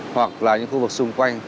hoặc là những khu vực xung quanh